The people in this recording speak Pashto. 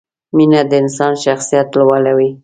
مینه د انسان شخصیت لوړوي.